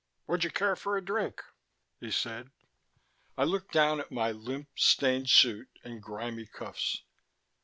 "Would you care for a drink?" he said. I looked down at my limp, stained suit and grimy cuffs.